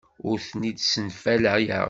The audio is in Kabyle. Ur ten-id-ssenfalayeɣ.